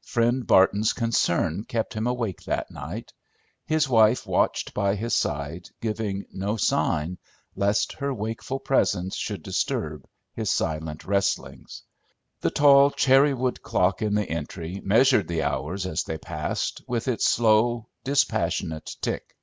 Friend Barton's "concern" kept him awake that night. His wife watched by his side, giving no sign, lest her wakeful presence should disturb his silent wrestlings. The tall, cherry wood clock in the entry measured the hours, as they passed, with its slow, dispassionate tick.